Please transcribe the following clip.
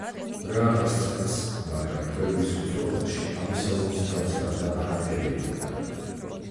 რა აღარ სცადეს, მაგრამ ქვევრის ვიწრო ყელში აბესალომის თავის გარდა არაფერი ეტეოდა.